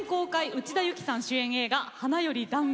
内田有紀さん主演映画「花より男子」。